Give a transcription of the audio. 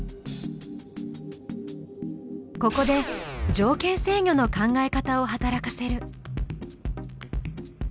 ここで「条件制御」の考え方を働かせる。